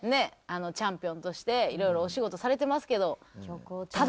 チャンピオンとしていろいろお仕事されてますけど。